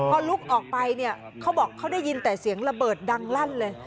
พอลุกออกไปเนี่ยเขาบอกเขาได้ยินแต่เสียงระเบิดดังลั่นเลย